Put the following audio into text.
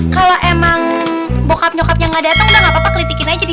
kalo emang bokap nyokapnya ga dateng udah gapapa klitikin aja dia